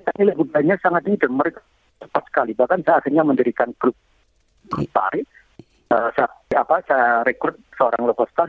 jadi suatu ketika kita bikinlah